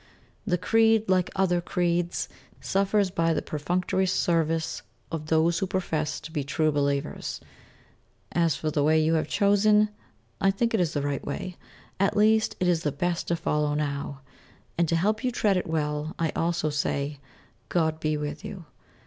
The creed, like other creeds, suffers by the perfunctory service of those who profess to be true believers. As for the way you have chosen, I think it is the right way, at least it is the best to follow now; and, to help you tread it well, I also say, "God be with you."